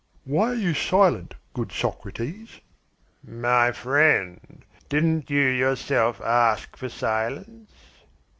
"Why are you silent, good Socrates?" "My friend; didn't you yourself ask for silence?"